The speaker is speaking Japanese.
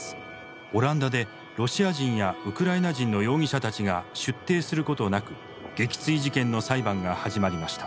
オランダでロシア人やウクライナ人の容疑者たちが出廷することなく撃墜事件の裁判が始まりました。